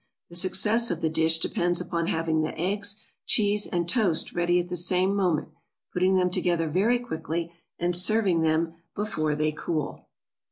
The success of the dish depends upon having the eggs, cheese, and toast ready at the same moment, putting them together very quickly, and serving them before they cool.